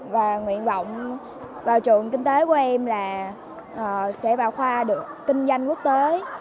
và nguyện vọng vào trường kinh tế của em là sẽ vào khoa được kinh doanh quốc tế